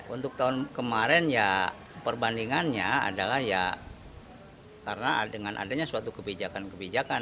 untuk tahun kemarin ya perbandingannya adalah ya karena dengan adanya suatu kebijakan kebijakan